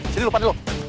sini lu pada dulu